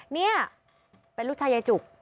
นี่เป็นลูกชายยายจุก